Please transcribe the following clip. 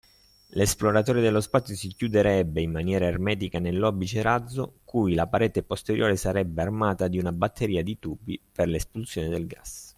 L’esploratore dello spazio si chiuderebbe in maniera ermetica nell’obice-razzo cui la parete posteriore sarebbe armata di una batteria di tubi per la espulsione dei gas.